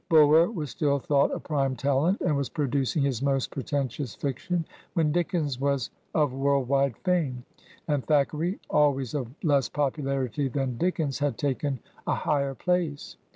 Bulwer was still thought a prime talent and was producing his most pretentious fiction when Dickens was of world wide fame, and Thack eray, always of less popularity than Dickens, had taken a higher place.